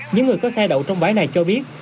những người có xe đậu trong bãi này cho biết